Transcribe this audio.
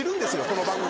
この番組。